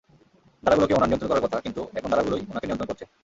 দাঁড়াগুলোকে ওনার নিয়ন্ত্রণ করার কথা, কিন্তু এখন দাঁড়াগুলোই ওনাকে নিয়ন্ত্রণ করছে।